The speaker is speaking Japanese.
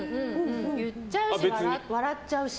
言っちゃうし笑っちゃうし。